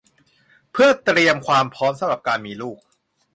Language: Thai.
เพื่อเตรียมความพร้อมสำหรับการมีลูก